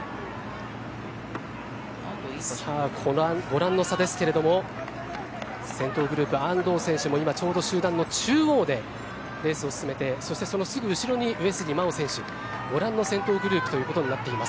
ご覧の差ですけども先頭グループ安藤選手も今ちょうど集団の中央でレースを進めてすぐ後ろに上杉真穂選手ご覧の先頭集団となっています。